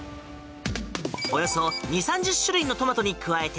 およそ２０３０種類のトマトに加えて